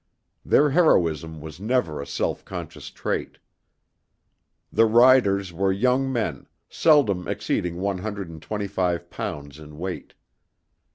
Their heroism was never a self conscious trait. The riders were young men, seldom exceeding one hundred and twenty five pounds in weight.